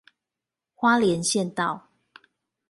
花蓮縣道